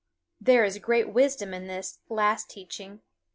There is great wisdom in this last teaching.